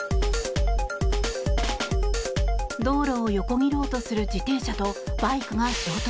道路を横切ろうとする自転車とバイクが衝突。